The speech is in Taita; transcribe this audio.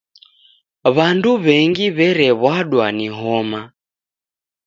W'andu w'engi w'erew'adwa ni homa.